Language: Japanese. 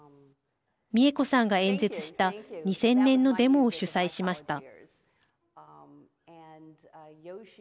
美恵子さんが演説した２０００年のデモを主催しました。